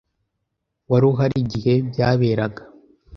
Wari uhari igihe byaberaga?